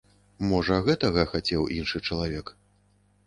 Можа, гэтага хацеў іншы чалавек.